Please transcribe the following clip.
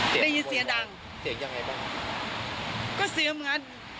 ใช่ค่ะ